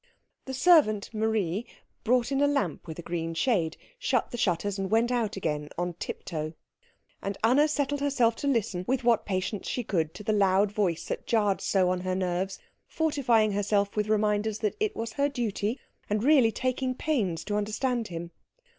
The servant, Marie, brought in a lamp with a green shade, shut the shutters, and went out again on tiptoe; and Anna settled herself to listen with what patience she could to the loud voice that jarred so on her nerves, fortifying herself with reminders that it was her duty, and really taking pains to understand him.